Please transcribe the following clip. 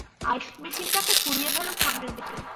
আইস মেশিনটাকে সরিয়ে ফেলো সামনে থেকে!